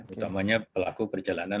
utamanya pelaku perjalanan